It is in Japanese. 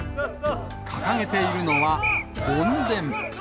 掲げているのは、梵天。